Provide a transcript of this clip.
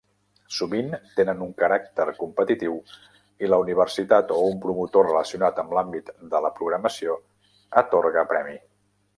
Sovint tenen un caràcter competitiu i la universitat o un promotor relacionat amb l'àmbit de la programació atorga premi.